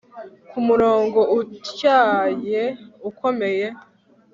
Ku murongo utyaye ukomeye